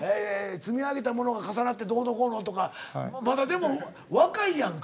積み上げたものが重なってどうのこうのとかまだでも若いやんか。